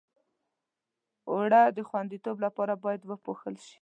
اوړه د خوندیتوب لپاره باید پوښل شي